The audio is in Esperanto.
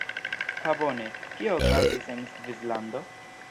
Ha bone. Kio okazis en Svislando?